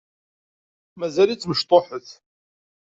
Mazal-itt mecṭuḥet.